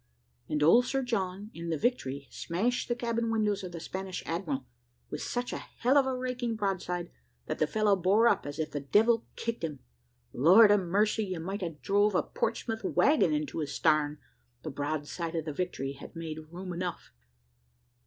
and old Sir John, in the Victory, smashed the cabin windows of the Spanish admiral, with such a hell of a raking broadside, that the fellow bore up as if the devil kicked him. Lord a mercy! you might have drove a Portsmouth waggon into his starn the broadside of the Victory had made room enough.